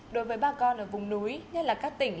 đối với bà con ở vùng núi như là các tỉnh